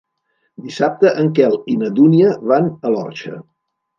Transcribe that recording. Dissabte en Quel i na Dúnia van a l'Orxa.